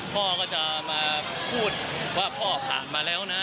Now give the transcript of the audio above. พ่อก็จะมาพูดว่าพ่อผ่านมาแล้วนะ